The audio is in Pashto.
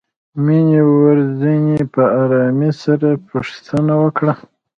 مينې ورڅنې په آرامۍ سره پوښتنه وکړه.